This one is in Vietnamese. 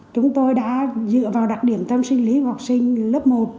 chúng tôi đã dựa vào đặc điểm tâm sinh lý của học sinh lớp một